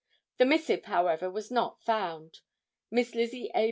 The missive, however, was not found. Miss Lizzie A.